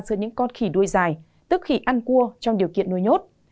dưới những con khỉ đuôi dài tức khỉ ăn cua trong điều kiện nuôi nhốt